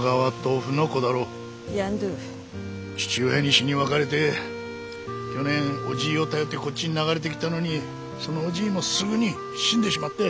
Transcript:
父親に死に別れて去年おじぃを頼ってこっちに流れてきたのにそのおじぃもすぐに死んでしまって。